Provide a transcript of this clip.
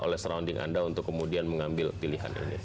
oleh crounding anda untuk kemudian mengambil pilihan ini